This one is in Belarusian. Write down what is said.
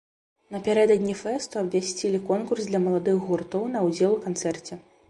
Напярэдадні фэсту абвясцілі конкурс для маладых гуртоў на ўдзел у канцэрце.